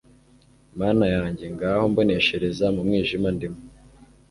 Mana yanjye ngaho mboneshereza mu mwijima ndimo